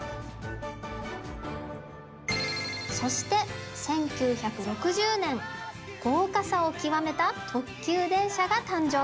そして１９６０年豪華さを極めた特急電車が誕生。